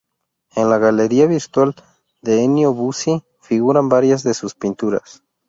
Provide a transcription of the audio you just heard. En la galería virtual de Ennio Bucci, figuran varias de sus pinturas.